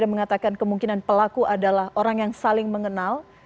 yang mengatakan kemungkinan pelaku adalah orang yang saling mengenal